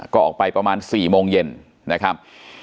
ก็ออกไปประมาณ๔โมงเย็นนะครับ